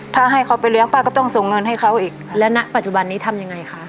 ถ้าให้เขาไปเลี้ยงป้าก็ต้องส่งเงินให้เขาอีกแล้วณปัจจุบันนี้ทำยังไงคะ